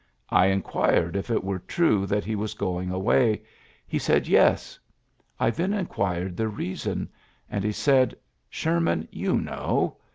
... I inquired if it were true that he was going away. He said, Yes. I then inquired the reason ; and he said: Sherman, you know.